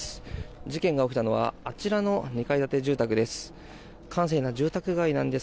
事件が起きたのはあちらの２階建て住宅です。